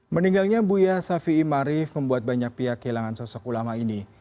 meninggalnya buya safi'i marif membuat banyak pihak kehilangan sosok ulama ini